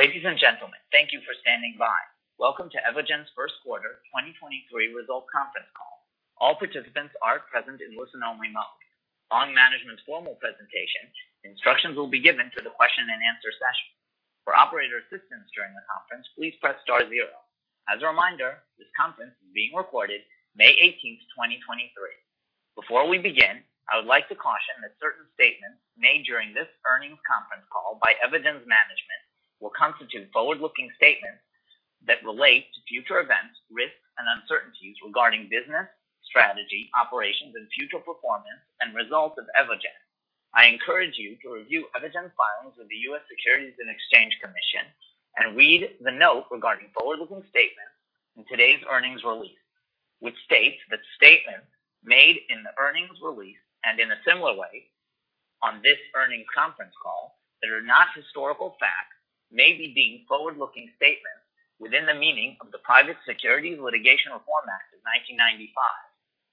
Ladies and gentlemen, thank you for standing by. Welcome to Evogene's first quarter 2023 result conference call. All participants are present in listen only mode. Following management's formal presentation, instructions will be given to the question and answer session. For operator assistance during the conference, please press star zero. As a reminder, this conference is being recorded May 18, 2023. Before we begin, I would like to caution that certain statements made during this earnings conference call by Evogene's management will constitute forward-looking statements that relate to future events, risks, and uncertainties regarding business, strategy, operations and future performance and results of Evogene. I encourage you to review Evogene's filings with the US Securities and Exchange Commission and read the note regarding forward-looking statements in today's earnings release, which states that statements made in the earnings release, and in a similar way on this earnings conference call, that are not historical facts may be deemed forward-looking statements within the meaning of the Private Securities Litigation Reform Act of 1995.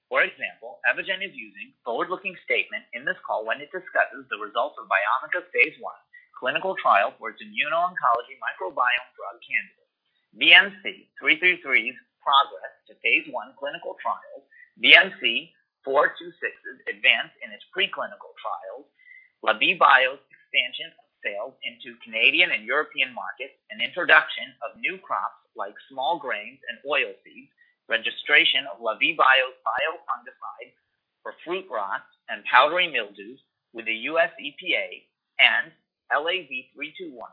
For example, Evogene is using forward-looking statement in this call when it discusses the results of Biomica's phase 1 clinical trial for its immuno-oncology microbiome drug candidate. BMC333's progress to phase 1 clinical trials. BMC426's advance in its pre-clinical trials. Lavie Bio's expansion of sales into Canadian and European markets, and introduction of new crops like small grains and oil seeds. Registration of Lavie Bio's bio-fungicide for fruit rots and powdery mildews with the US EPA and LAV321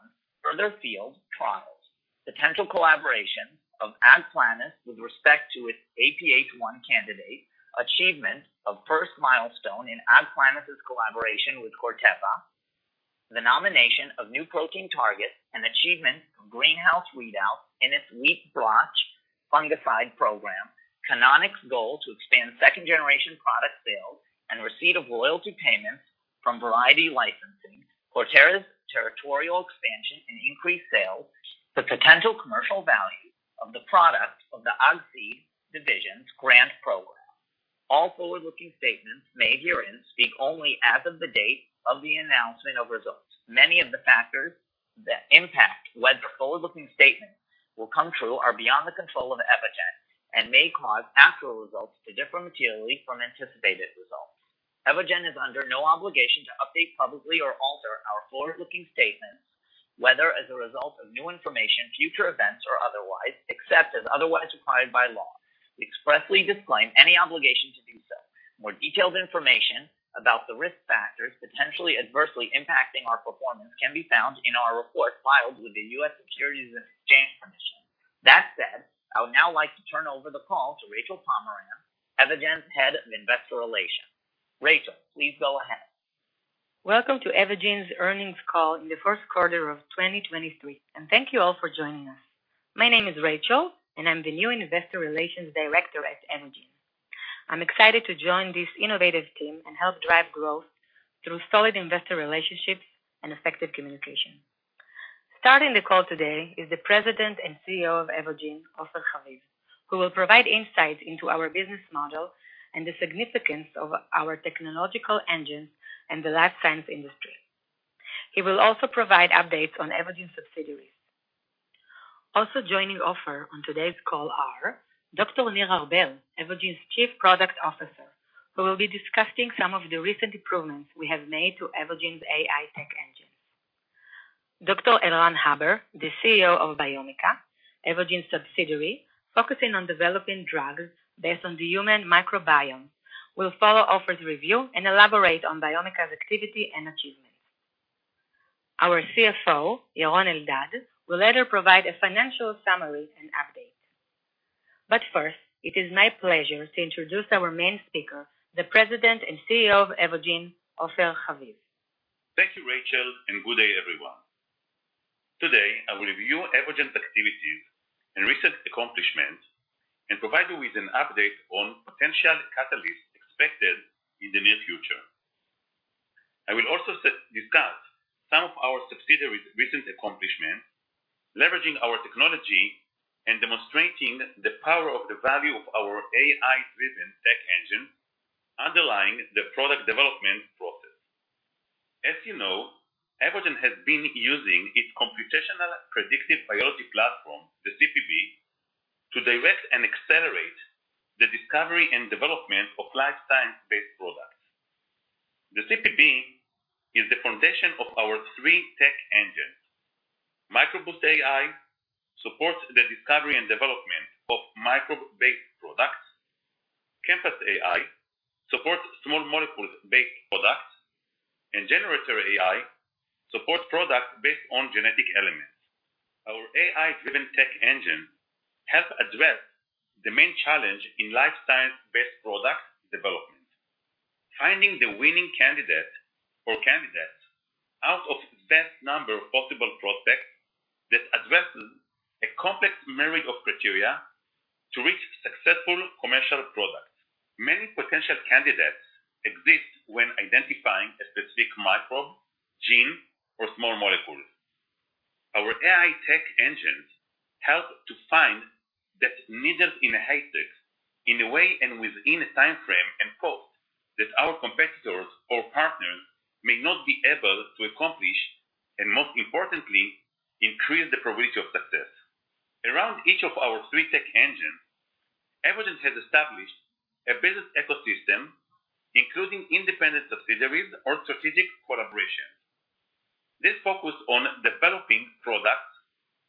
further field trials. Potential collaboration of AgPlenus with respect to its APH1 candidate. Achievement of first milestone in AgPlenus' collaboration with Corteva. The nomination of new protein targets and achievement of greenhouse readout in its wheat blotch fungicide program. Canonic's goal to expand second-generation product sales and receipt of royalty payments from variety licensing. Casterra's territorial expansion and increased sales. The potential commercial value of the products of the Ag-Seeds division's grant program. All forward-looking statements made herein speak only as of the date of the announcement of results. Many of the factors that impact whether forward-looking statements will come true are beyond the control of Evogene and may cause actual results to differ materially from anticipated results. Evogene is under no obligation to update publicly or alter our forward-looking statements, whether as a result of new information, future events or otherwise, except as otherwise required by law. We expressly disclaim any obligation to do so. More detailed information about the risk factors potentially adversely impacting our performance can be found in our reports filed with the US Securities and Exchange Commission. That said, I would now like to turn over the call to Rachel Pomerantz, Evogene's Head of Investor Relations. Rachel, please go ahead. Welcome to Evogene's earnings call in the first quarter of 2023. Thank you all for joining us. My name is Rachel and I'm the new Investor Relations Director at Evogene. I'm excited to join this innovative team and help drive growth through solid investor relationships and effective communication. Starting the call today is the President and CEO of Evogene, Ofer Haviv, who will provide insights into our business model and the significance of our technological engines in the life science industry. He will also provide updates on Evogene subsidiaries. Also joining Ofer on today's call are Dr. Nir Arbel, Evogene's Chief Product Officer, who will be discussing some of the recent improvements we have made to Evogene's AI tech engines. Elran Haber, the CEO of Biomica, Evogene's subsidiary, focusing on developing drugs based on the human microbiome, will follow Ofer's review and elaborate on Biomica's activity and achievements. Our CFO, Yaron Eldad, will later provide a financial summary and update. First, it is my pleasure to introduce our main speaker, the President and CEO of Evogene, Ofer Haviv. Thank you, Rachel, and good day, everyone. Today I will review Evogene's activities and recent accomplishments and provide you with an update on potential catalysts expected in the near future. I will also discuss some of our subsidiaries' recent accomplishments, leveraging our technology and demonstrating the power of the value of our AI-driven tech engine, underlying the product development process. As you know, Evogene has been using its computational predictive biology platform, the CPB, to direct and accelerate the discovery and development of life science-based products. The CPB is the foundation of our three tech engines. MicroBoost AI supports the discovery and development of microbe-based products. ChemPass AI supports small molecule-based products. GeneRator AI supports products based on genetic elements. Our AI-driven tech engine help address the main challenge in life science-based product development, finding the winning candidate or candidates out of vast number of possible prospects that addresses a complex myriad of criteria to reach successful commercial products. Many potential candidates exist when identifying a specific microbe, gene, or small molecule. Our AI tech engines help to find needles in a haystacks in a way and within a time frame and cost that our competitors or partners may not be able to accomplish, and most importantly, increase the probability of success. Around each of our three tech engines, Evogene has established a business ecosystem, including independent subsidiaries or strategic collaborations. This focus on developing products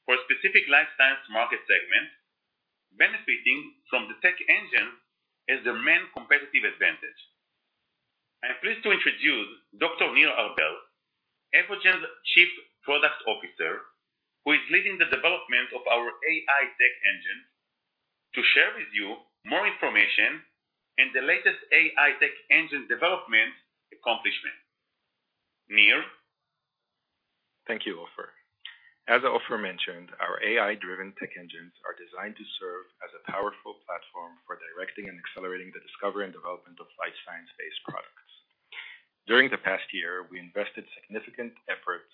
for specific life science market segments, benefiting from the tech engine as their main competitive advantage. I am pleased to introduce Dr. Nir Arbel, Evogene's Chief Product Officer, who is leading the development of our AI tech engine, to share with you more information and the latest AI tech engine development accomplishment. Nir. Thank you, Ofer. As Ofer mentioned, our AI-driven tech engines are designed to serve as a powerful platform for directing and accelerating the discovery and development of life science-based products. During the past year, we invested significant effort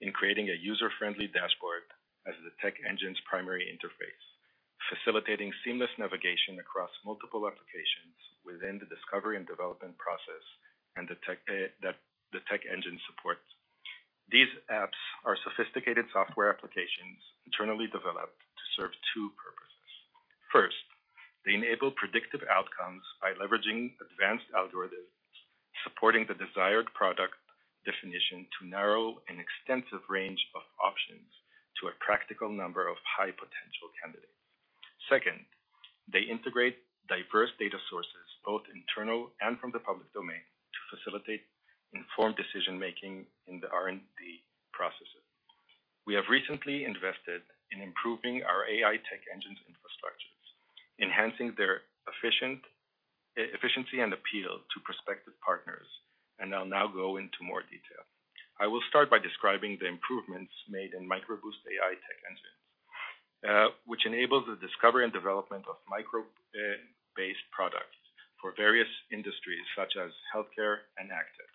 in creating a user-friendly dashboard as the tech engine's primary interface, facilitating seamless navigation across multiple applications within the discovery and development process that the tech engine supports. These apps are sophisticated software applications internally developed to serve two purposes. First, they enable predictive outcomes by leveraging advanced algorithms, supporting the desired product definition to narrow an extensive range of options to a practical number of high-potential candidates. Second, they integrate diverse data sources, both internal and from the public domain, to facilitate informed decision-making in the R&D processes. We have recently invested in improving our AI tech engine's infrastructures, enhancing their efficiency and appeal to prospective partners. I'll now go into more detail. I will start by describing the improvements made in MicroBoost AI tech engines, which enables the discovery and development of microbe-based products for various industries such as healthcare and active.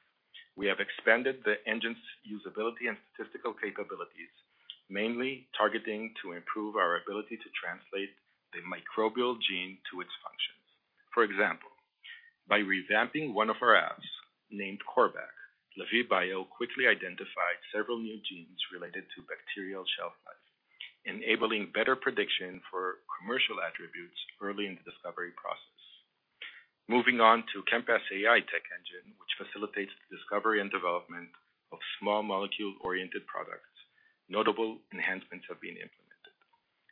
We have expanded the engine's usability and statistical capabilities, mainly targeting to improve our ability to translate the microbial gene to its functions. For example, by revamping one of our apps, named CorBac, Lavie Bio quickly identified several new genes related to bacterial shelf life, enabling better prediction for commercial attributes early in the discovery process. Moving on to ChemPass AI tech engine, which facilitates the discovery and development of small molecule-oriented products, notable enhancements have been implemented.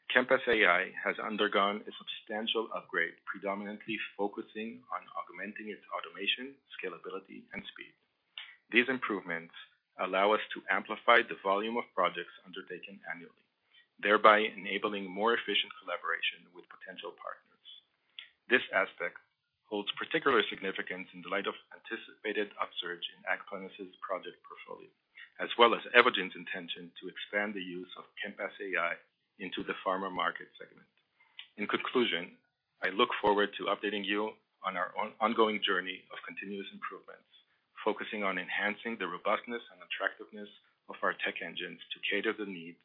ChemPass AI has undergone a substantial upgrade, predominantly focusing on augmenting its automation, scalability, and speed. These improvements allow us to amplify the volume of projects undertaken annually, thereby enabling more efficient collaboration with potential partners. This aspect holds particular significance in the light of anticipated upsurge in AgPlenus's project portfolio, as well as Evogene's intention to expand the use of ChemPass AI into the pharma market segment. In conclusion, I look forward to updating you on our ongoing journey of continuous improvements, focusing on enhancing the robustness and attractiveness of our tech engines to cater the need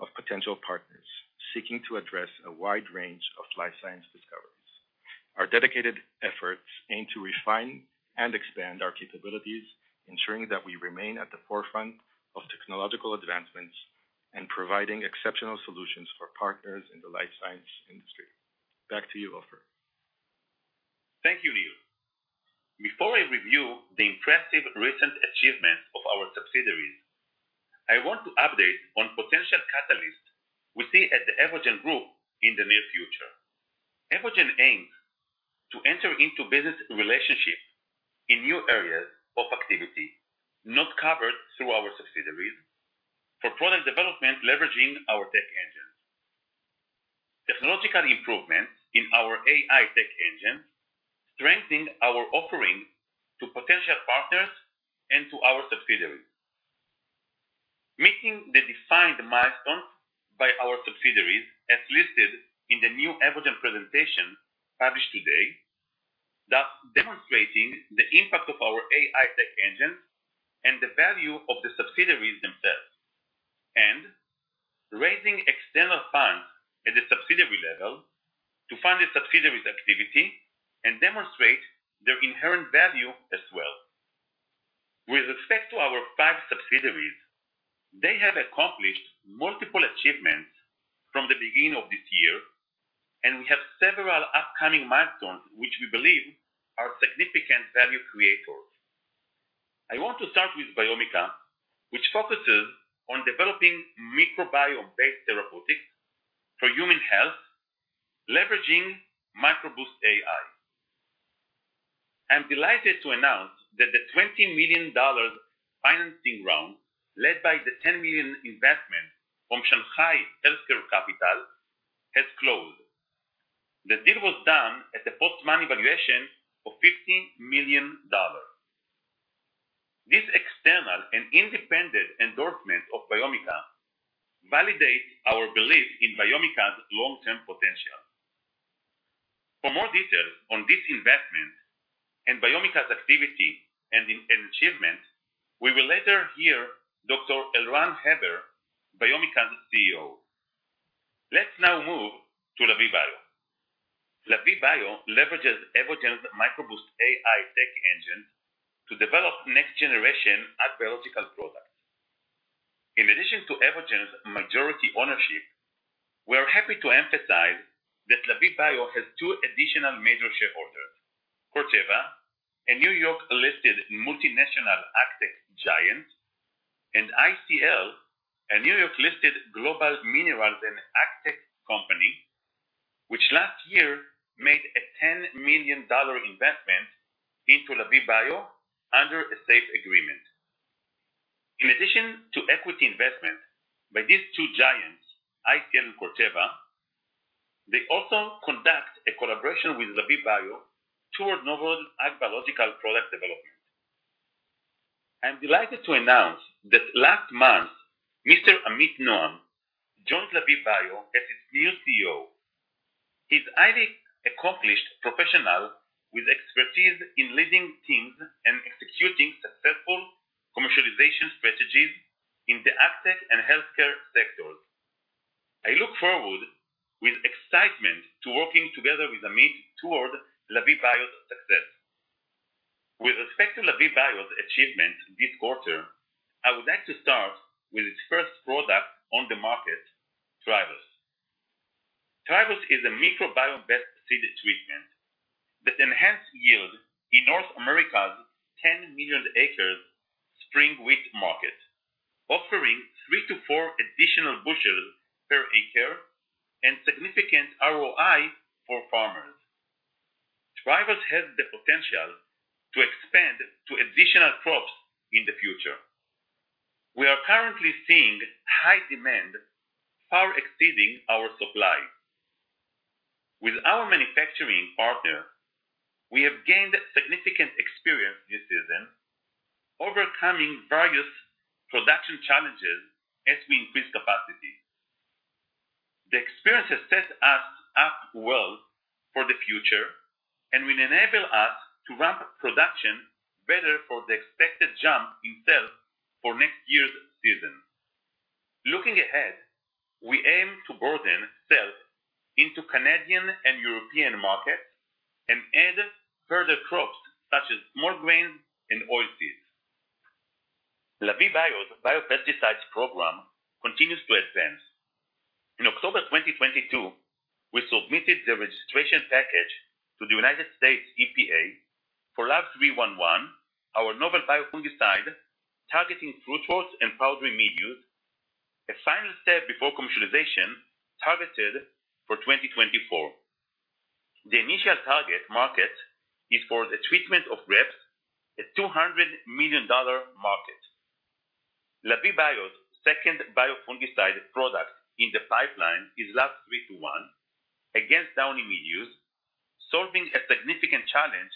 of potential partners seeking to address a wide range of life science discoveries. Our dedicated efforts aim to refine and expand our capabilities, ensuring that we remain at the forefront of technological advancements in providing exceptional solutions for partners in the life science industry. Back to you, Ofer. Thank you, Nir. Before I review the impressive recent achievements of our subsidiaries, I want to update on potential catalysts we see at the Evogene group in the near future. Evogene aims to enter into business relationship in new areas of activity not covered through our subsidiaries for product development, leveraging our tech engines. Technological improvements in our AI tech engines strengthen our offering to potential partners and to our subsidiaries. Meeting the defined milestones by our subsidiaries as listed in the new Evogene presentation published today, thus demonstrating the impact of our AI tech engines and the value of the subsidiaries themselves, and raising external funds at the subsidiary level to fund the subsidiaries' activity and demonstrate their inherent value as well. With respect to our five subsidiaries, they have accomplished multiple achievements from the beginning of this year, and we have several upcoming milestones which we believe are significant value creators. I want to start with Biomica, which focuses on developing microbiome-based therapeutics for human health, leveraging MicroBoost AI. I am delighted to announce that the $20 million financing round led by the $10 million investment from Shanghai Healthcare Capital has closed. The deal was done at a post-money valuation of $50 million. This external and independent endorsement of Biomica validates our belief in Biomica's long-term potential. For more details on this investment and Biomica's activity and achievement, we will later hear Dr. Elran Haber, Biomica's CEO. Let's now move to Lavie Bio. Lavie Bio leverages Evogene's MicroBoost AI tech engine to develop next generation ag biological products. In addition to Evogene's majority ownership, we are happy to emphasize that Lavie Bio has two additional major shareholders, Corteva, a New York-listed multinational ag tech giant, and ICL, a New York-listed global minerals and ag tech company, which last year made a $10 million investment into Lavie Bio under a SAFE agreement. In addition to equity investment by these two giants, ICL and Corteva, they also conduct a collaboration with Lavie Bio toward novel ag biological product development. I am delighted to announce that last month, Mr. Amit Noam joined Lavie Bio as its new CEO. He is highly accomplished professional with expertise in leading teams and executing successful commercialization strategies in the ag tech and healthcare sectors. I look forward with excitement to working together with Amit toward Lavie Bio's success. With respect to Lavie Bio's achievement this quarter, I would like to start with its first product on the market, Thrivus. Thrivus is a microbiome-based seed treatment that enhance yield in North America's 10 million acres spring wheat market, offering 3-4 additional bushels per acre and significant ROI for farmers. Thrivus has the potential to expand to additional crops in the future. We are currently seeing high demand far exceeding our supply. With our manufacturing partner, we have gained significant experience this season, overcoming various production challenges as we increase capacity. The experience has set us up well for the future and will enable us to ramp production better for the expected jump in sales for next year's season. Looking ahead, we aim to broaden sales into Canadian and European markets and add further crops such as small grains and oilseeds. Lavie Bio's biopesticides program continues to advance. In October 2022, we submitted the registration package to the US EPA for LAV311, our novel biofungicide targeting fruit rots and powdery mildews, a final step before commercialization targeted for 2024. The initial target market is for the treatment of grapes, a $200 million market. Lavie Bio's second biofungicide product in the pipeline is LAV321 against downy mildews, solving a significant challenge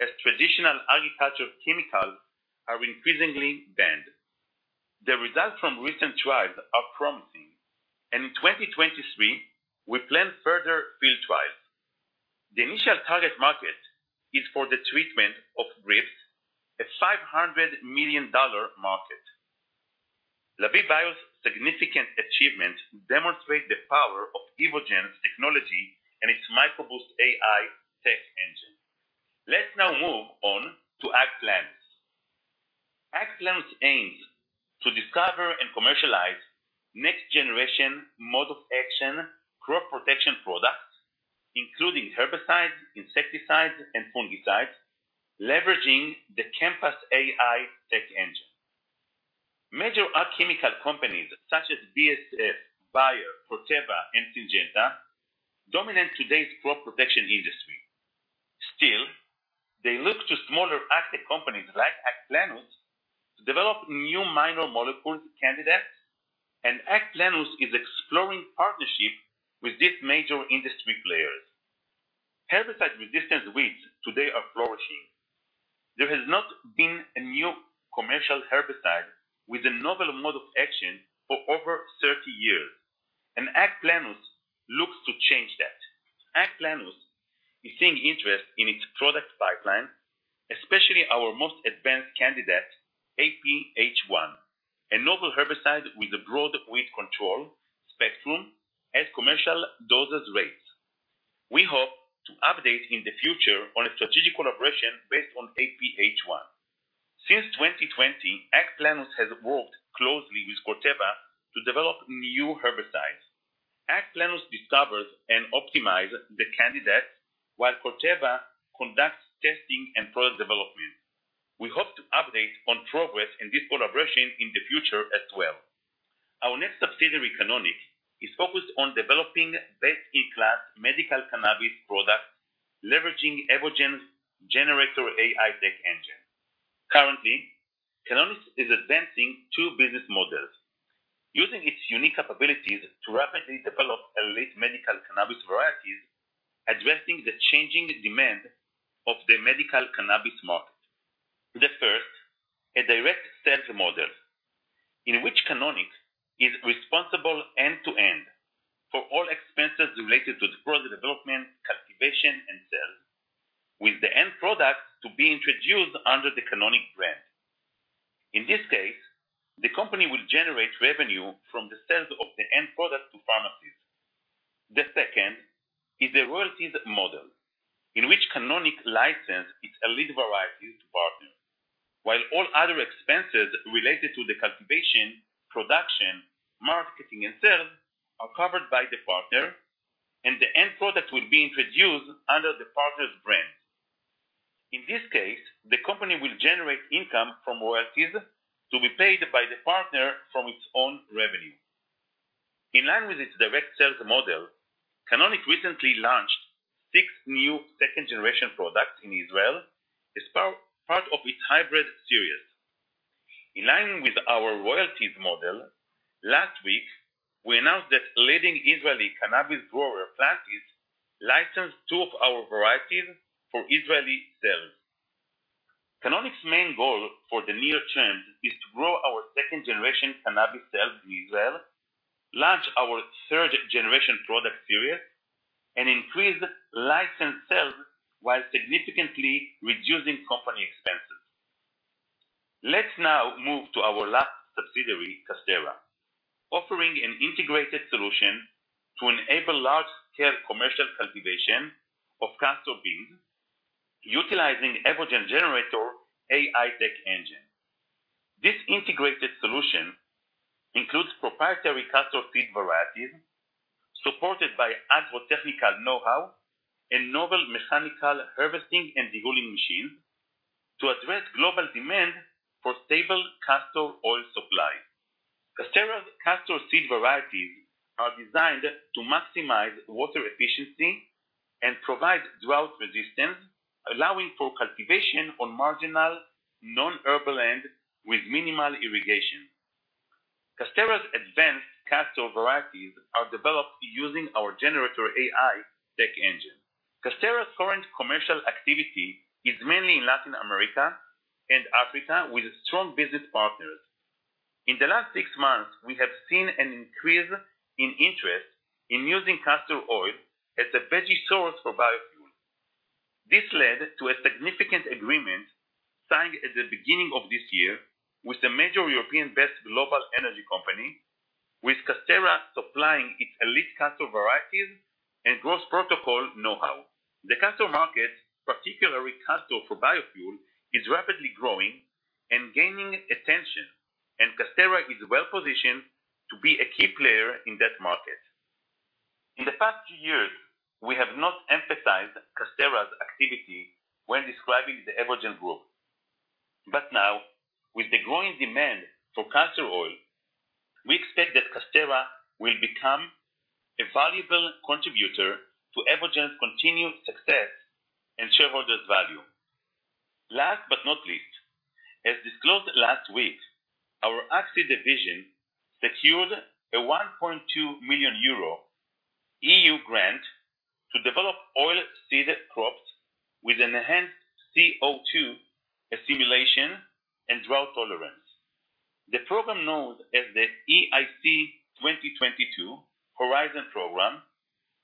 as traditional agricultural chemicals are increasingly banned. The results from recent trials are promising. In 2023 we plan further field trials. The initial target market is for the treatment of grapes, a $500 million market. Lavie Bio's significant achievement demonstrate the power of Evogene's technology and its MicroBoost AI tech engine. Let's now move on to AgPlenus. AgPlenus aims to discover and commercialize next-generation mode-of-action crop protection products, including herbicides, insecticides, and fungicides, leveraging the ChemPass AI tech engine. Major ag chemical companies such as BASF, Bayer, Corteva, and Syngenta dominate today's crop protection industry. Still, they look to smaller ag tech companies like AgPlenus to develop new minor molecule candidates, and AgPlenus is exploring partnership with these major industry players. Herbicide-resistant weeds today are flourishing. There has not been a new commercial herbicide with a novel mode-of-action for over 30 years, and AgPlenus looks to change that. AgPlenus is seeing interest in its product pipeline, especially our most advanced candidate, APH1, a novel herbicide with a broad weed control spectrum at commercial dosage rates. We hope to update in the future on a strategic collaboration based on APH1. Since 2020, AgPlenus has worked closely with Corteva to develop new herbicides. AgPlenus discovers and optimizes the candidates while Corteva conducts testing and product development. We hope to update on progress in this collaboration in the future as well. Our next subsidiary, Canonic, is focused on developing best-in-class medical cannabis products, leveraging Evogene's GeneRator AI tech engine. Currently, Canonic is advancing two business models using its unique capabilities to rapidly develop elite medical cannabis varieties, addressing the changing demand of the medical cannabis market. The first, a direct sales model. Responsible end to end for all expenses related to the product development, cultivation, and sales, with the end product to be introduced under the Canonic brand. In this case, the company will generate revenue from the sales of the end product to pharmacies. The second is a royalties model in which Canonic license its elite varieties to partners, while all other expenses related to the cultivation, production, marketing, and sales are covered by the partner and the end product will be introduced under the partner's brand. In this case, the company will generate income from royalties to be paid by the partner from its own revenue. In line with its direct sales model, Canonic recently launched six new second-generation products in Israel as part of its hybrid series. In line with our royalties model, last week, we announced that leading Israeli cannabis grower, Plantis, licensed two of our varieties for Israeli sales. Canonic's main goal for the near term is to grow our second-generation cannabis sales in Israel, launch our third-generation product series, and increase licensed sales while significantly reducing company expenses. Let's now move to our last subsidiary, Casterra, offering an integrated solution to enable large scale commercial cultivation of castor bean, utilizing Evogene GeneRator AI tech engine. This integrated solution includes proprietary castor seed varieties supported by agro-technical know-how and novel mechanical harvesting and de-hulling machine to address global demand for stable castor oil supply. Casterra's castor seed varieties are designed to maximize water efficiency and provide drought resistance, allowing for cultivation on marginal non-arable land with minimal irrigation. Casterra's advanced castor varieties are developed using our GeneRator AI tech engine. Casterra's current commercial activity is mainly in Latin America and Africa with strong business partners. In the last six months, we have seen an increase in interest in using castor oil as a veggie source for biofuel. This led to a significant agreement signed at the beginning of this year with a major European-based global energy company, with Casterra supplying its elite castor varieties and growth protocol know-how. The castor market, particularly castor for biofuel, is rapidly growing and gaining attention, and Casttera is well-positioned to be a key player in that market. Now, with the growing demand for castor oil, we expect that Casttera will become a valuable contributor to Evogene's continued success and shareholders value. Last but not least, as disclosed last week, our Ag-Seeds division secured a 1.2 million euro EU grant to develop oil seed crops with enhanced CO2 assimilation and drought tolerance. The program, known as the EIC 2022 Horizon program,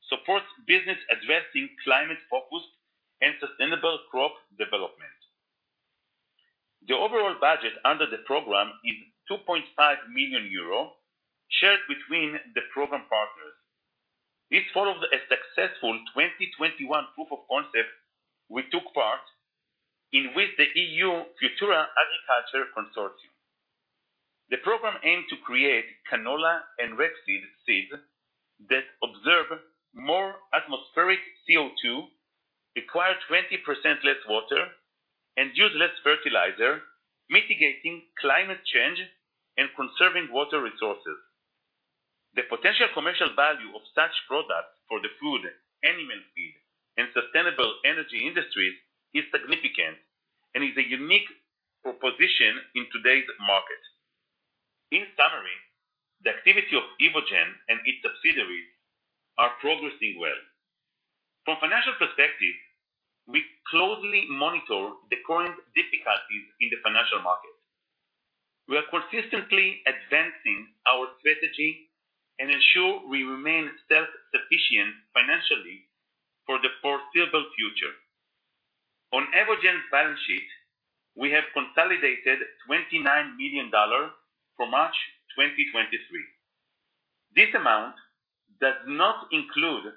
supports business addressing climate-focused and sustainable crop development. The overall budget under the program is 2.5 million euro, shared between the program partners. It follows a successful 2021 proof of concept we took part in with the EU Futura Agriculture Consortium. The program aimed to create canola and rapeseed seeds that observe more atmospheric CO2, require 20% less water, and use less fertilizer, mitigating climate change and conserving water resources. The potential commercial value of such products for the food, animal feed, and sustainable energy industries is significant and is a unique proposition in today's market. In summary, the activity of Evogene and its subsidiaries are progressing well. From financial perspective, we closely monitor the current difficulties in the financial market. We are consistently advancing our strategy and ensure we remain self-sufficient financially for the foreseeable future. On Evogene's balance sheet, we have consolidated $29 million for March 2023. This amount does not include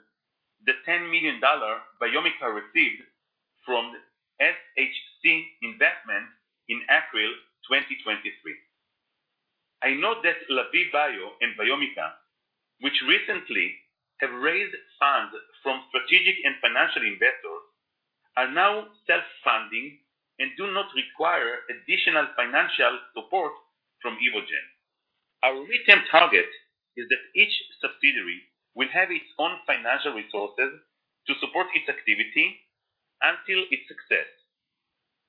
the $10 million Biomica received from FHC investment in April 2023. I know that Lavie Bio and Biomica, which recently have raised funds from strategic and financial investors, are now self-funding and do not require additional financial support from Evogene. Our medium target is that each subsidiary will have its own financial resources to support its activity until its success.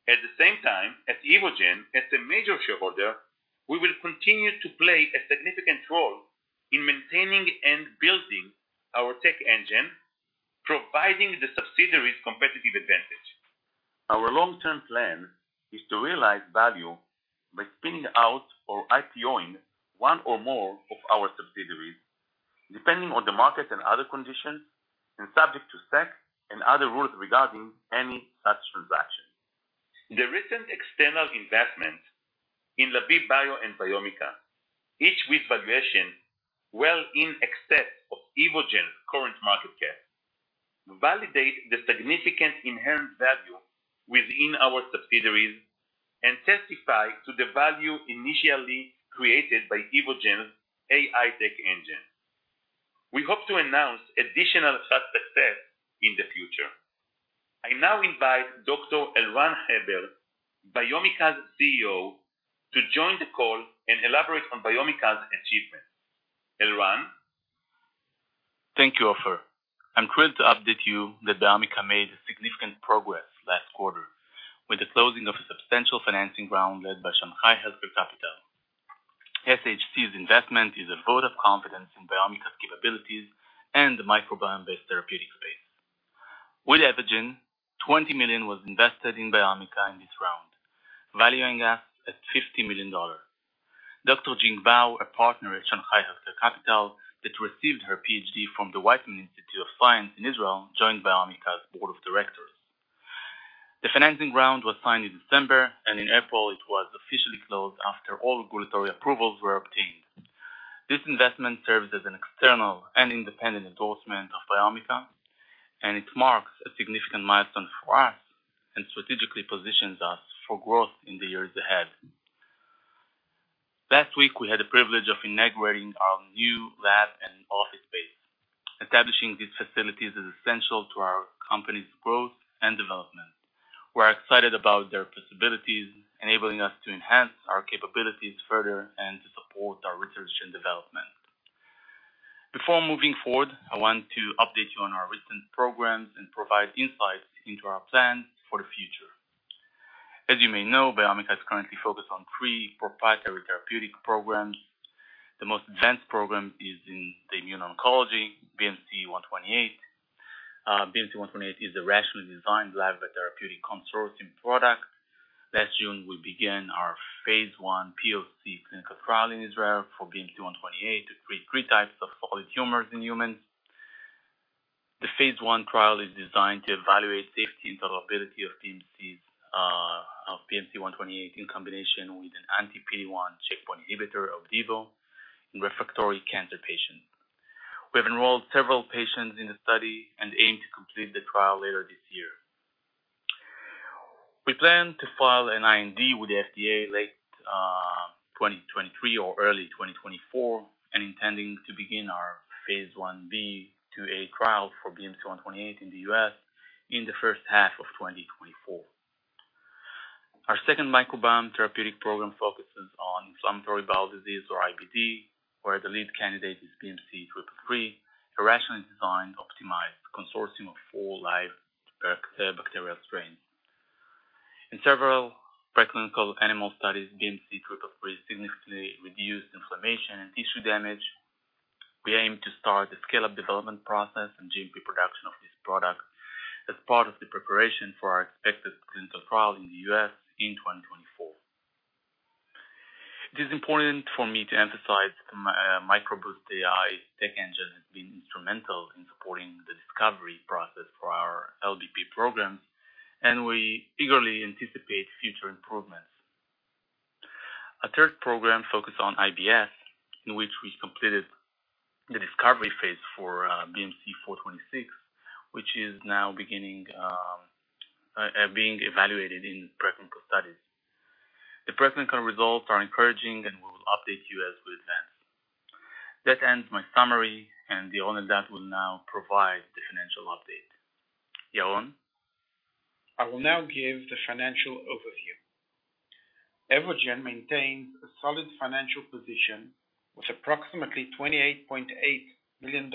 At the same time, at Evogene, as a major shareholder, we will continue to play a significant role in maintaining and building our tech engine, providing the subsidiaries competitive advantage. Our long-term plan is to realize value by spinning out or IPO-ing one or more of our subsidiaries, depending on the market and other conditions, and subject to SEC and other rules regarding any such transaction. The recent external investment in Lavie Bio and Biomica, each with valuation well in excess of Evogene current market cap, validate the significant inherent value within our subsidiaries and testify to the value initially created by Evogene AI tech engine. We hope to announce additional such success in the future. I now invite Dr. Elran Haber, Biomica's CEO, to join the call and elaborate on Biomica's achievements. Elran? Thank you, Ofer. I'm thrilled to update you that Biomica made significant progress last quarter with the closing of a substantial financing round led by Shanghai Healthcare Capital. SHC's investment is a vote of confidence in Biomica's capabilities and the microbiome-based therapeutic space. With Evogene, $20 million was invested in Biomica in this round, valuing us at $50 million. Dr. Jing Bao, a partner at Shanghai Healthcare Capital, that received her PhD from the Weizmann Institute of Science in Israel, joined Biomica's board of directors. The financing round was signed in December. In April it was officially closed after all regulatory approvals were obtained. This investment serves as an external and independent endorsement of Biomica. It marks a significant milestone for us and strategically positions us for growth in the years ahead. Last week, we had the privilege of inaugurating our new lab and office space. Establishing these facilities is essential to our company's growth and development. We're excited about their possibilities, enabling us to enhance our capabilities further and to support our research and development. Before moving forward, I want to update you on our recent programs and provide insights into our plans for the future. As you may know, Biomica is currently focused on three proprietary therapeutic programs. The most advanced program is in the immuno-oncology, BMC-128. BMC-128 is a rationally designed live therapeutic consortium product. Last June, we began our phase I POC clinical trial in Israel for BMC-128 to treat three types of solid tumors in humans. The phase I trial is designed to evaluate safety and tolerability of BMC-128 in combination with an anti-PD-1 checkpoint inhibitor Opdivo in refractory cancer patients. We have enrolled several patients in the study and aim to complete the trial later this year. We plan to file an IND with the FDA late 2023 or early 2024, and intending to begin our phase 1B/2A trial for BMC-128 in the U.S. in the first half of 2024. Our second microbiome therapeutic program focuses on inflammatory bowel disease or IBD, where the lead candidate is BMC333, a rationally designed optimized consortium of four live bacterial strains. In several preclinical animal studies, BMC333 significantly reduced inflammation and tissue damage. We aim to start the scale-up development process and GMP production of this product as part of the preparation for our expected clinical trial in the U.S. in 2024. It is important for me to emphasize the MicroBoost AI's tech engine has been instrumental in supporting the discovery process for our LDP program, and we eagerly anticipate future improvements. A third program focused on IBS, in which we completed the discovery phase for BMC426, which is now beginning being evaluated in preclinical studies. The preclinical results are encouraging, and we will update you as we advance. That ends my summary. Yaron Eldad will now provide the financial update. Yaron? I will now give the financial overview. Evogene maintains a solid financial position with approximately $28.8 million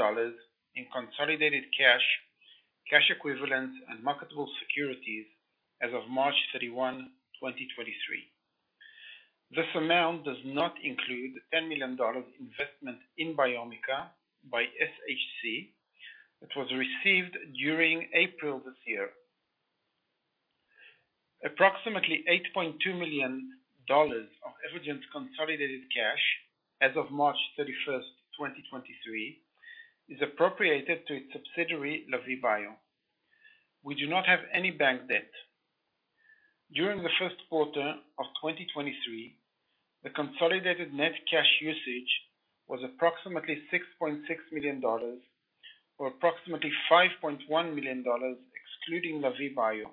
in consolidated cash equivalents and marketable securities as of March 31, 2023. This amount does not include the $10 million investment in Biomica by SHC that was received during April this year. Approximately $8.2 million of Evogene's consolidated cash as of March 31, 2023, is appropriated to its subsidiary, Lavie Bio. We do not have any bank debt. During the first quarter of 2023, the consolidated net cash usage was approximately $6.6 million, or approximately $5.1 million excluding Lavie Bio.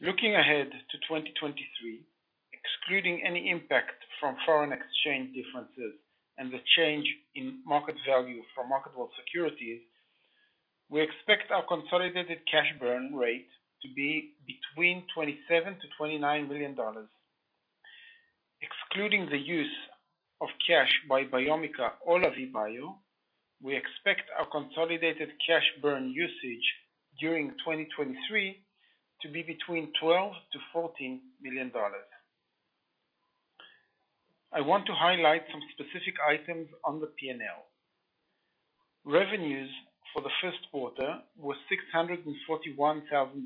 Looking ahead to 2023, excluding any impact from foreign exchange differences and the change in market value for marketable securities, we expect our consolidated cash burn rate to be between $27 million-$29 million. Excluding the use of cash by Biomica or Lavie Bio, we expect our consolidated cash burn usage during 2023 to be between $12 million-$14 million. I want to highlight some specific items on the P&L. Revenues for the first quarter were $641,000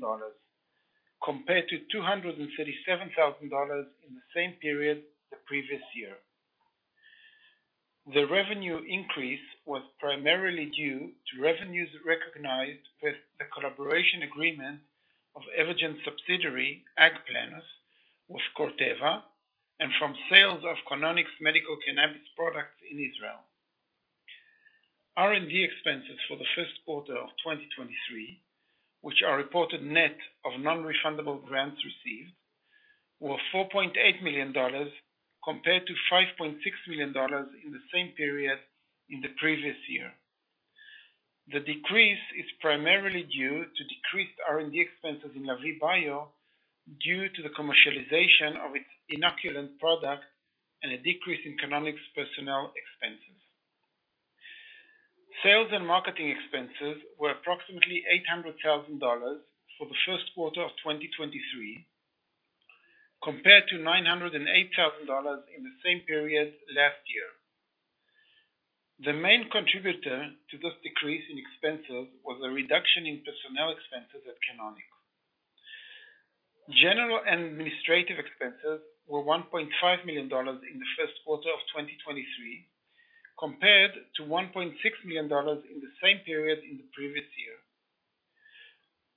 compared to $237,000 in the same period the previous year. The revenue increase was primarily due to revenues recognized with the collaboration agreement of Evogene subsidiary, AgPlenus, with Corteva, and from sales of Canonic medical cannabis products in Israel. R&D expenses for the first quarter of 2023, which are reported net of non-refundable grants received, were $4.8 million compared to $5.6 million in the same period in the previous year. The decrease is primarily due to decreased R&D expenses in Lavie Bio due to the commercialization of its inoculant product and a decrease in Canonic's personnel expenses. Sales and marketing expenses were approximately $800,000 for the first quarter of 2023 compared to $908,000 in the same period last year. The main contributor to this decrease in expenses was a reduction in personnel expenses at Canonic. General administrative expenses were $1.5 million in the first quarter of 2023 compared to $1.6 million in the same period in the previous year.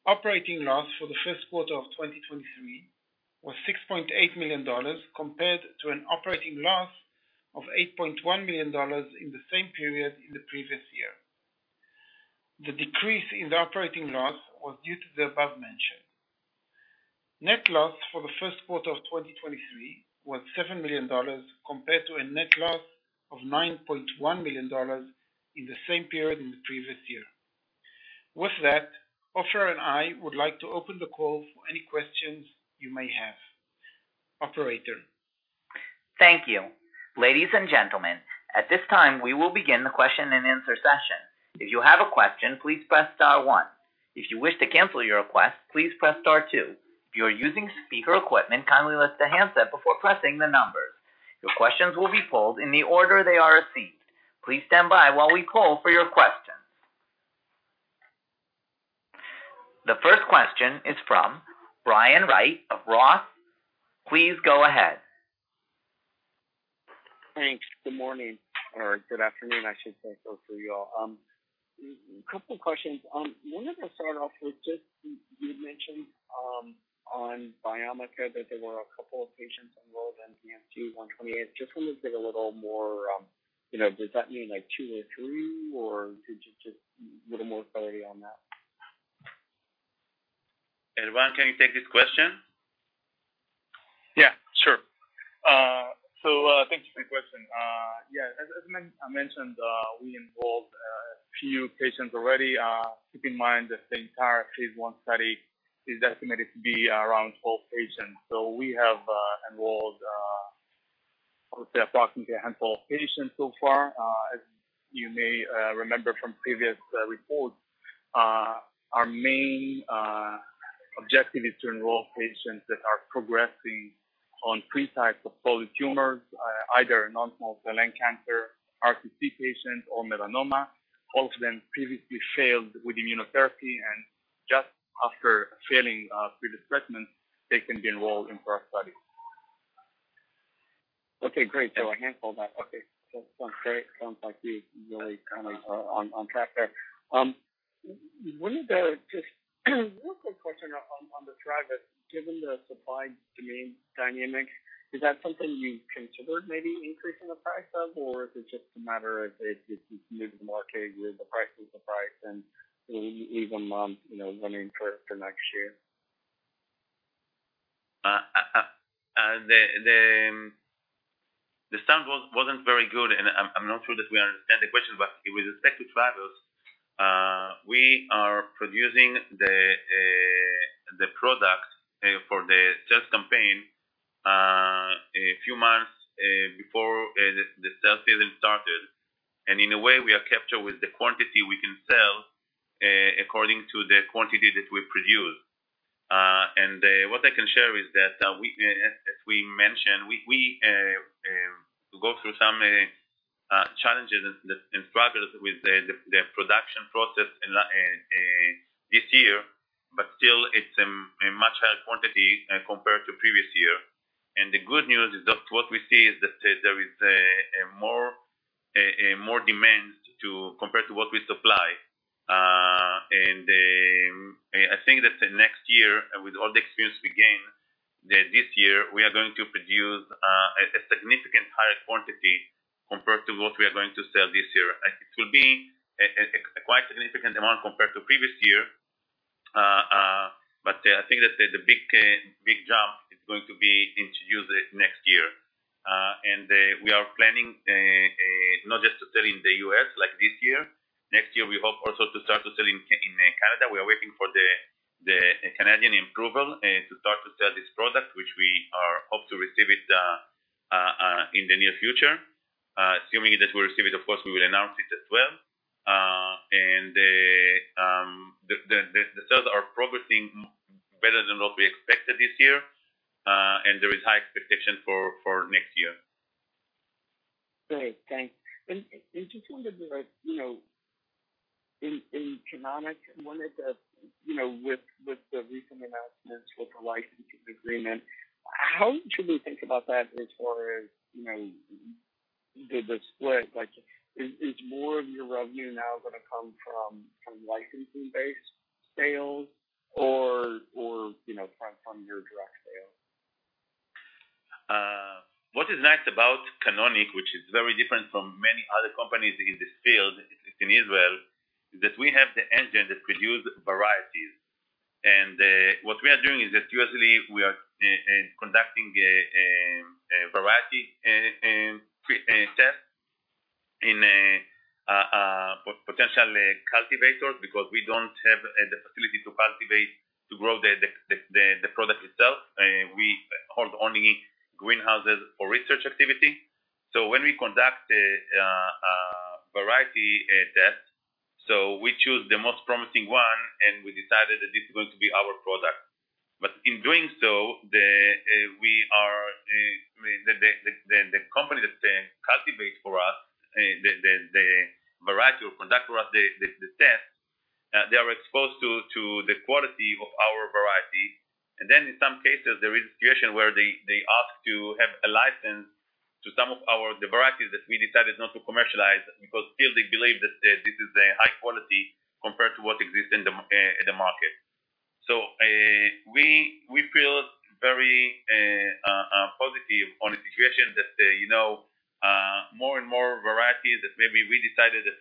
Operating loss for the first quarter of 2023 was $6.8 million compared to an operating loss of $8.1 million in the same period in the previous year. The decrease in the operating loss was due to the above mention. Net loss for the first quarter of 2023 was $7 million compared to a net loss of $9.1 million in the same period in the previous year. With that, Ofer and I would like to open the call for any questions you may have. Operator. Thank you. Ladies and gentlemen, at this time, we will begin the question and answer session. If you have a question, please press star one. If you wish to cancel your request, please press star two. If you are using speaker equipment, kindly lift the handset before pressing the numbers. Your questions will be pulled in the order they are received. Please stand by while we call for your questions. The first question is from Brian Wright of ROTH. Please go ahead. Thanks. Good morning or good afternoon, I should say, to all of you all. A couple of questions. Wanted to start off with just, you mentioned, on Biomica that there were a couple of patients enrolled in BMC128. Just wanted to get a little more, you know, does that mean, like, two or three, or could you just a little more clarity on that? Elran, can you take this question? Yeah, sure. Thank you for your question. Yeah, as I mentioned, we enrolled a few patients already. Keep in mind that the entire phase I study is estimated to be around 12 patients. We have enrolled approximately a handful of patients so far. As you may remember from previous reports, our main objective is to enroll patients that are progressing on three types of solid tumors, either non-small cell lung cancer, RCC patients or melanoma. All of them previously failed with immunotherapy and just after failing previous treatment, they can be enrolled into our study. Okay, great. A handful then. Okay. Sounds great. Sounds like you really kind of are on track there. wanted to just one quick question on the Corteva. Given the supply domain dynamic, is that something you considered maybe increasing the price of or is it just a matter of if you've moved the market with the price of the price and leave them on, you know, running for next year? The sound wasn't very good, and I'm not sure that we understand the question. With respect to Casterra, we are producing the product for the sales campaign a few months before the sales season started. In a way, we are captured with the quantity we can sell according to the quantity that we produce. What I can share is that we as we mentioned, we go through some challenges and struggles with the production process in this year, but still it's a much higher quantity compared to previous year. The good news is that what we see is that there is a more demand to compared to what we supply. I think that next year, with all the experience we gain this year, we are going to produce a significant higher quantity compared to what we are going to sell this year. It will be a quite significant amount compared to previous year. I think that the big jump is going to be introduced next year. We are planning not just to sell in the U.S. like this year. Next year, we hope also to start to sell in Canada. We are waiting for the Canadian approval to start to sell this product, which we are hope to receive it in the near future. Assuming that we receive it, of course, we will announce it as well. The sales are progressing better than what we expected this year, there is high expectation for next year. Great. Thanks. I just wondered, you know, in Canonic, I wondered, you know, with the recent announcements, with the licensing agreement, how should we think about that as far as, you know, the split? Like, is more of your revenue now gonna come from licensing-based sales or, you know, from your direct sales? What is nice about Canonic, which is very different from many other companies in this field, in Israel, is that we have the engine that produce varieties. What we are doing is that usually we are conducting a variety pre-test in potential cultivators because we don't have the facility to cultivate to grow the product itself. We hold only greenhouses for research activity. When we conduct a variety test, so we choose the most promising one, and we decided that it's going to be our product. In doing so, we are, I mean, the company that cultivates for us the variety or conduct for us the test, they are exposed to the quality of our variety. In some cases, there is a situation where they ask to have a license to some of our... the varieties that we decided not to commercialize because still they believe that this is a high quality compared to what exists in the market. We feel very positive on a situation that, you know, more and more varieties that maybe we decided that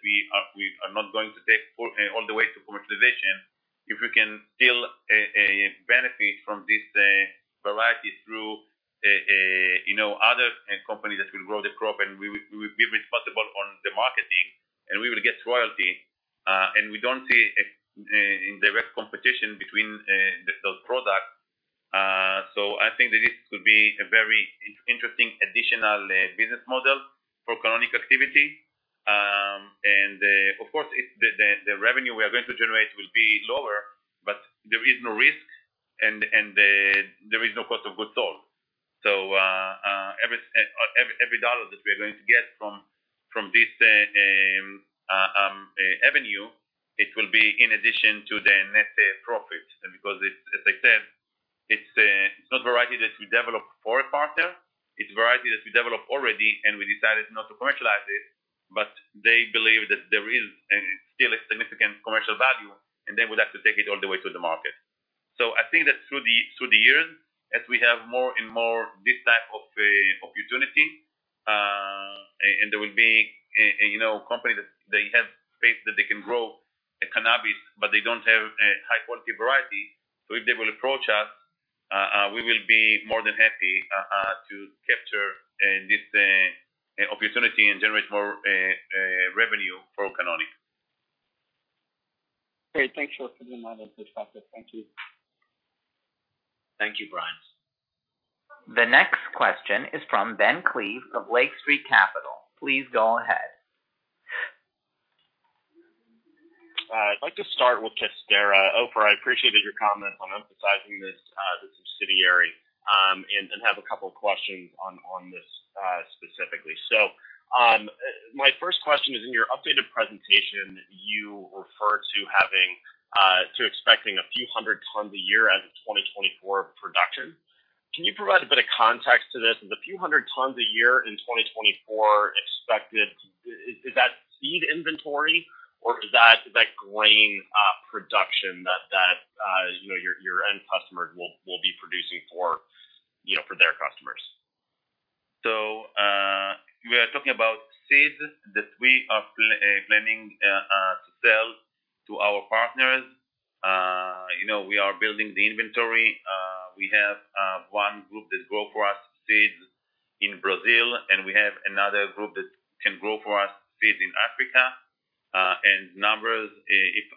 we are not going to take all the way to commercialization, if we can still benefit from this variety through, you know, other companies that will grow the crop and we will be responsible on the marketing and we will get royalty, and we don't see a direct competition between the sales product. I think that this could be a very interesting additional business model for Canonic activity. Of course, the revenue we are going to generate will be lower, but there is no risk and there is no cost of goods sold. Every dollar that we are going to get from this avenue, it will be in addition to the net profit. Because, as I said, it's not variety that we develop for a partner, it's variety that we develop already and we decided not to commercialize it, but they believe that there is still a significant commercial value, and they would like to take it all the way to the market. I think that through the years, as we have more and more this type of opportunity, and there will be, you know, company that they have space that they can grow a cannabis, but they don't have a high quality variety. If they will approach us, we will be more than happy to capture this opportunity and generate more revenue for Canonic. Great. Thanks a lot for the analysis. Thank you. Thank you, Brian. The next question is from Ben Klieve of Lake Street Capital. Please go ahead. I'd like to start with Casterra. Ofer, I appreciated your comment on emphasizing this, the subsidiary, and have a couple questions on this specifically. My first question is, in your updated presentation, you refer to expecting a few hundred tons a year as of 2024 production. Can you provide a bit of context to this? Is a few hundred tons a year in 2024 expected? Is that seed inventory or is that grain production that, you know, your end customers will be producing for, you know, for their customers? We are talking about seeds that we are planning to sell to our partners. You know, we are building the inventory. We have one group that grow for us seeds in Brazil, and we have another group that can grow for us seeds in Africa. Numbers, if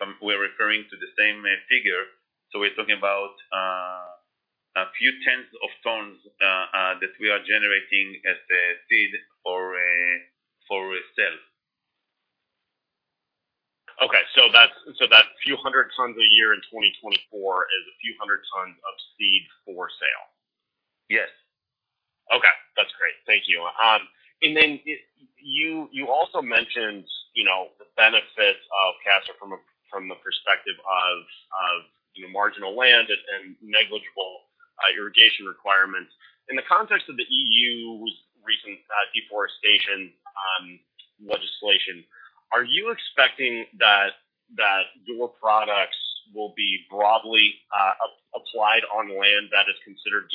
I'm we're referring to the same figure, so we're talking about a few tenths of tons that we are generating as a seed for a sale. Okay. That few hundred tons a year in 2024 is a few hundred tons of seed for sale? Yes. Okay. That's great. Thank you. Then you also mentioned, you know, the benefits of Casterra from a perspective of, you know, marginal land and negligible irrigation requirements. In the context of the EU's recent deforestation legislation, are you expecting that your products will be broadly applied on land that is considered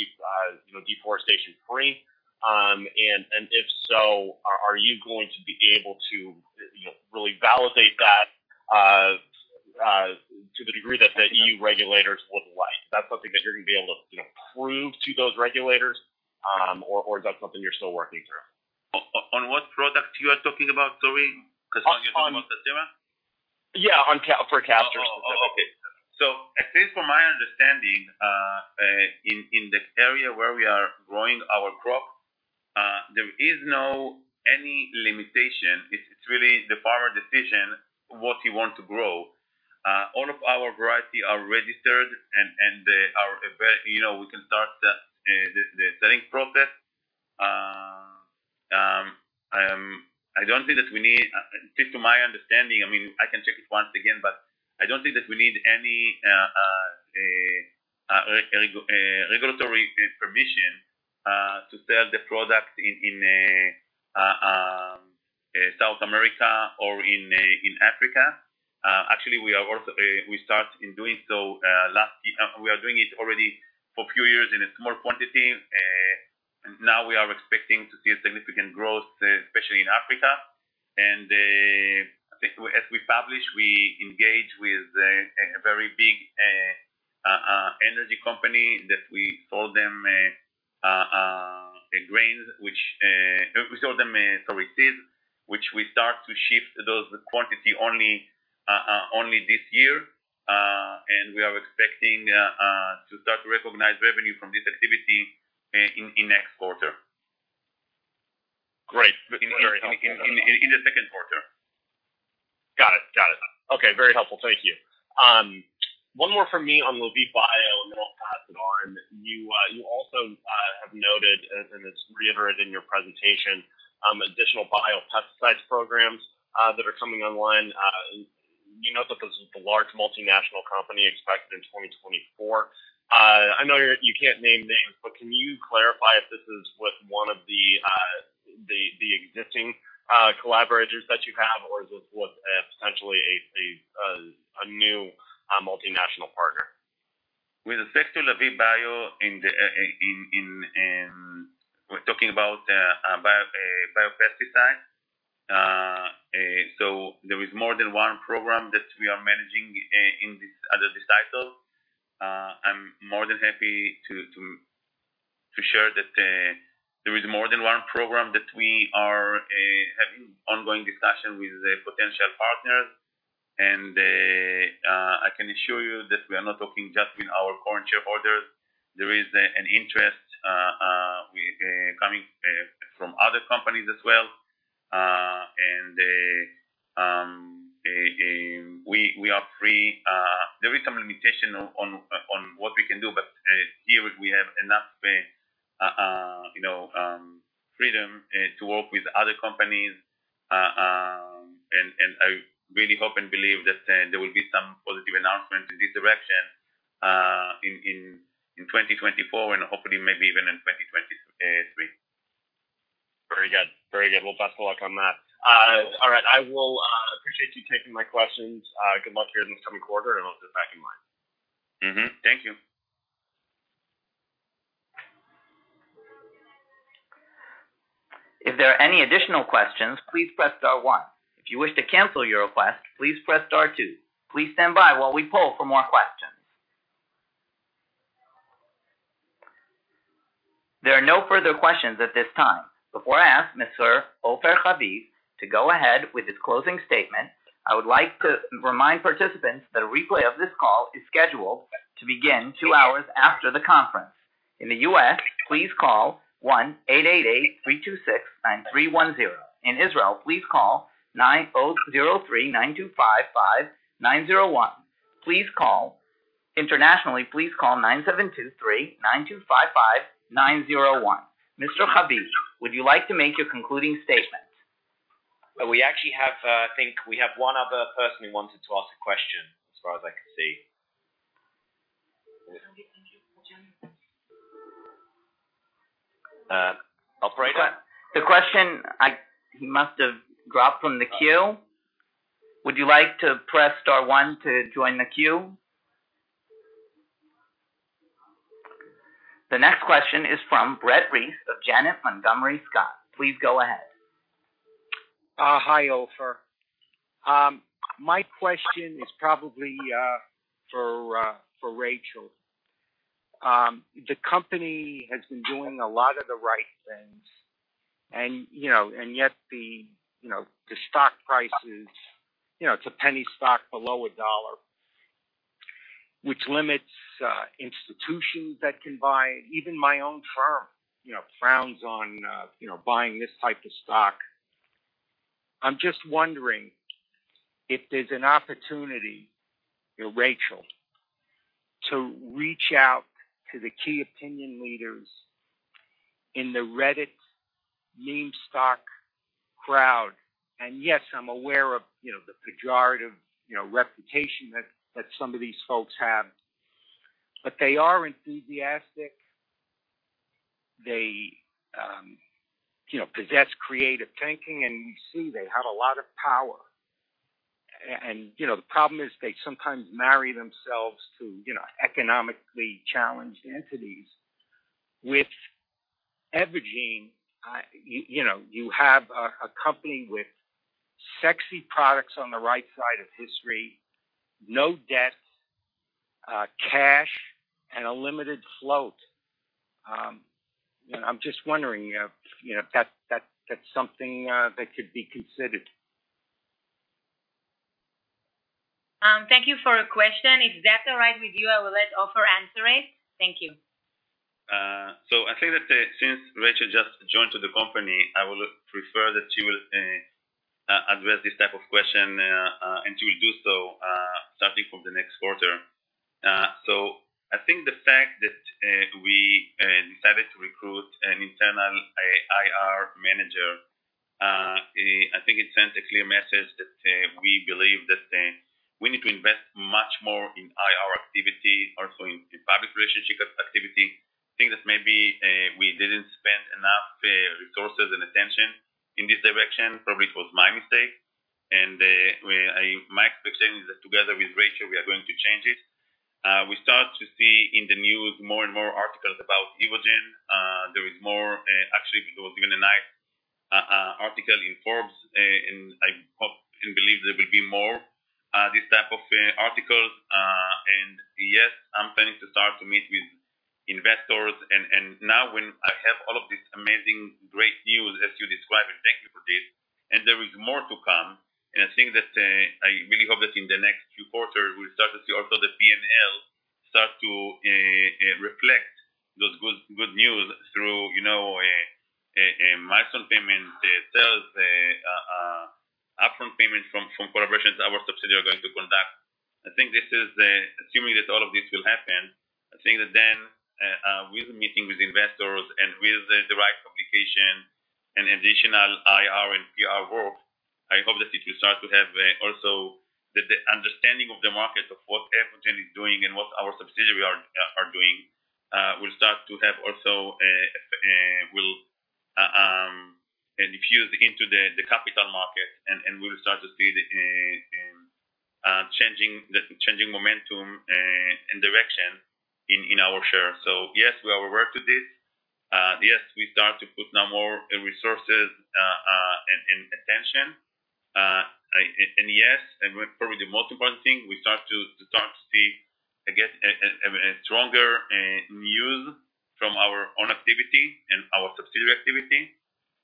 deforestation-free? If so, are you going to be able to, you know, really validate that to the degree that the EU regulators would like? Is that something that you're gonna be able to, you know, prove to those regulators, or is that something you're still working through? On what product you are talking about, sorry, because I'm thinking about Casterra? On. Yeah. On for Casterra specifically. In the area where we are growing our crop, there is no any limitation. It's really the farmer decision what he want to grow. All of our variety are registered and they are very. You know, we can start the selling process. I don't think that we need. To my understanding, I mean, I can check it once again, but I don't think that we need any regulatory permission to sell the product in South America or in Africa. Actually, we are also, we start in doing so last year. We are doing it already for a few years in a small quantity. Now we are expecting to see a significant growth, especially in Africa. As we publish, we engage with a very big energy company that we sold them grains which we sold them, sorry, seeds, which we start to shift those quantity only this year. We are expecting to start to recognize revenue from this activity in next quarter. Great. Very helpful. In the second quarter. Got it. Okay. Very helpful, thank you. One more from me on Lavie Bio, and then I'll pass it on. You also have noted, and it's reiterated in your presentation, additional biopesticide programs that are coming online. You note that there's a large multinational company expected in 2024. I know you can't name names, but can you clarify if this is with one of the existing collaborators that you have, or is this with potentially a new multinational partner? With respect to Lavie Bio, we're talking about biopesticide. There is more than one program that we are managing in this, under this title. I'm more than happy to share that there is more than one program that we are having ongoing discussion with the potential partners. I can assure you that we are not talking just with our current shareholders. There is an interest with coming from other companies as well. We are free. There is some limitation on what we can do, but here we have enough, you know, freedom to work with other companies. I really hope and believe that there will be some positive announcements in this direction, in 2024, and hopefully maybe even in 2023. Very good. Very good. Well, best of luck on that. All right. I will appreciate you taking my questions. Good luck here in the coming quarter, and we'll get back in line. Thank you. If there are any additional questions, please press star one. If you wish to cancel your request, please press star two. Please stand by while we poll for more questions. There are no further questions at this time. Before I ask Mr. Ofer Haviv to go ahead with his closing statement, I would like to remind participants that a replay of this call is scheduled to begin two hours after the conference. In the U.S., please call 1-888-326-9310. In Israel, please call 900-392-55901. Internationally, please call 972-392-55901. Mr. Haviv, would you like to make your concluding statement? We actually have, I think we have one other person who wanted to ask a question, as far as I can see. Okay. Thank you for joining us. Operator? The question. He must have dropped from the queue. Would you like to press star one to join the queue? The next question is from Brett Reiss of Janney Montgomery Scott. Please go ahead. Hi, Ofer. My question is probably for Rachel. The company has been doing a lot of the right things and, you know, yet the, you know, the stock price is, you know, it's a penny stock below $1, which limits institutions that can buy. Even my own firm, you know, frowns on, you know, buying this type of stock. I'm just wondering if there's an opportunity, you know, Rachel, to reach out to the key opinion leaders in the Reddit meme stock crowd. Yes, I'm aware of, you know, the pejorative, you know, reputation that some of these folks have. They are enthusiastic. They, you know, possess creative thinking, and you see they have a lot of power. You know, the problem is they sometimes marry themselves to, you know, economically challenged entities. With Evogene, you know, you have a company with sexy products on the right side of history, no debt, cash and a limited float. I'm just wondering, you know, if that's something that could be considered. Thank you for your question. If Zach alright with you, I will let Ofer answer it. Thank you. I think that since Rachel just joined to the company, I will prefer that she will address this type of question, and she will do so starting from the next quarter. I think the fact that we decided to recruit an internal IR manager, I think it sends a clear message that we believe that we need to invest much more in IR activity, also in public relationship activity. I think that maybe we didn't spend enough resources and attention in this direction. Probably it was my mistake, and my expectation is that together with Rachel, we are going to change it. We start to see in the news more and more articles about Evogene. There is more, actually, there was even a nice article in Forbes. I hope and believe there will be more this type of articles. Yes, I'm planning to start to meet with investors and now when I have all of these amazing great news as you described, and thank you for this, there is more to come. I think that I really hope that in the next few quarters, we'll start to see also the P&L start to reflect those good news through, you know, a milestone payment, sales, upfront payment from collaborations our subsidiary are going to conduct. I think this is assuming that all of this will happen, I think that then, with meeting with investors and with the right communication and additional IR and PR work, I hope that it will start to have also the understanding of the market of what Evogene is doing and what our subsidiary are doing, will start to have also will diffuse into the capital market. We'll start to see the changing momentum and direction in our share. Yes, we are aware to this. Yes, we start to put now more resources and attention. Yes, and probably the most important thing, we start to see, I guess, a stronger news from our own activity and our subsidiary activity.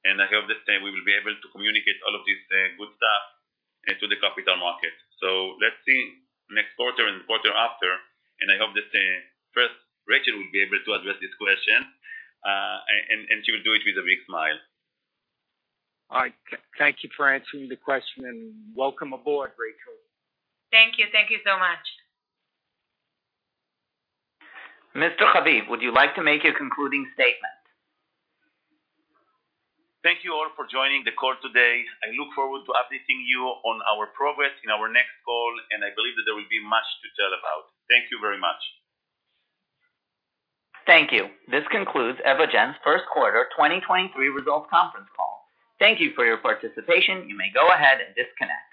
I hope that we will be able to communicate all of this good stuff to the capital market. Let's see next quarter and the quarter after, and I hope that first Rachel will be able to address this question, and she will do it with a big smile. All right. Thank you for answering the question, and welcome aboard, Rachel. Thank you. Thank you so much. Mr. Haviv, would you like to make a concluding statement? Thank you all for joining the call today. I look forward to updating you on our progress in our next call, and I believe that there will be much to tell about. Thank you very much. Thank you. This concludes Evogene's first quarter 2023 results conference call. Thank you for your participation. You may go ahead and disconnect.